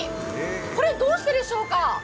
これどうしてでしょうか？